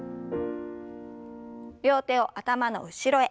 両手を頭の後ろへ。